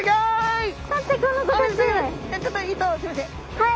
はい。